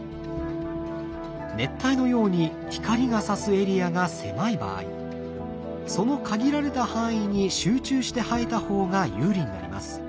熱帯のように光がさすエリアが狭い場合その限られた範囲に集中して生えた方が有利になります。